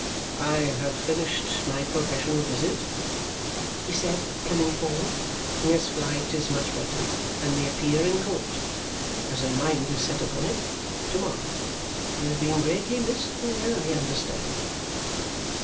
"I have finished my professional visit," he said, coming forward. "Miss Flite is much better and may appear in court (as her mind is set upon it) to morrow. She has been greatly missed there, I understand."